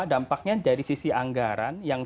dampaknya dari sisi anggaran yang